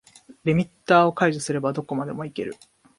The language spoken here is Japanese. リミッターを解除すればどこまでもいける